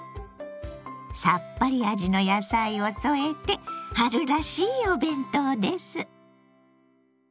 さっぱり味の野菜を添えて春らしいお弁当です。